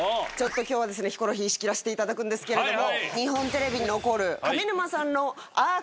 今日はヒコロヒー仕切らせていただくんですけども。